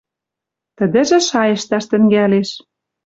Тӹдӹжӹ шайышташ тӹнгӓлеш: